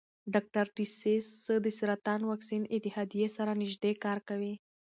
ډاکټر ډسیس د سرطان واکسین اتحادیې سره نژدې کار کوي.